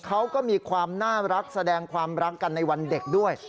เขาก็มีความน่ารักแสดงความรักกันในวันเด็กด้วย